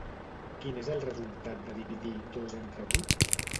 Quin és el resultat de dividir dos entre vuit?